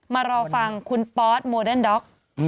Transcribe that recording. มารอฟังคุณปอสโมเดิร์นด็อก